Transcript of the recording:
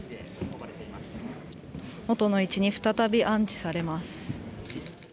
元の位置に再び安置されます。